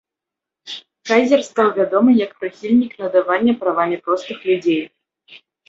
Кайзер стаў вядомы як прыхільнік надавання правамі простых людзей.